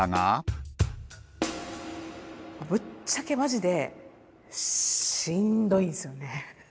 ぶっちゃけマジでしんどいんすよね。